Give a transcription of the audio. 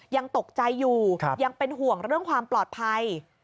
ยังตกใจอยู่ยังเป็นห่วงเรื่องความปลอดภัย